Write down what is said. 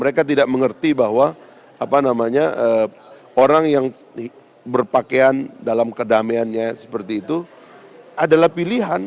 mereka tidak mengerti bahwa orang yang berpakaian dalam kedamaiannya seperti itu adalah pilihan